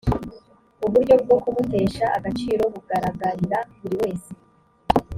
uburyo bwo kumutesha agaciro bugaragarira buri wese